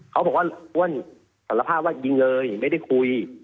เขาบอกว่าอ้วนสารภาพว่ายิงเลยไม่ได้คุย